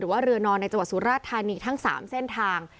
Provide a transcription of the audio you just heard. ว่าเรือนอนในจังหวัดสุราชธานีทั้ง๓เส้นทาง